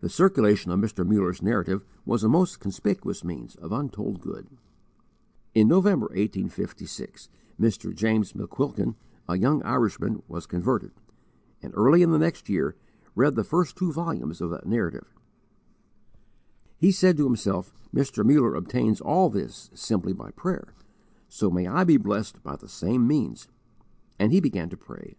The circulation of Mr. Muller's Narrative was a most conspicuous means of untold good. In November, 1856, Mr. James McQuilkin, a young Irishman, was converted, and early in the next year, read the first two volumes of that Narrative He said to himself: "Mr. Muller obtains all this simply by prayer; so may I be blessed by the same means," and he began to pray.